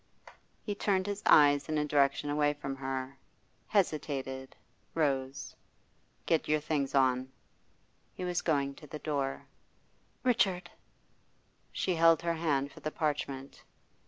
He turned his eyes in a direction away from her, hesitated, rose. 'Get your things on.' He was going to the door. 'Richard!' She held her hand for the parchment.